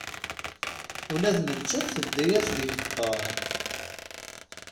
Ula d nettat tedda-yas deg ṭṭuɛ.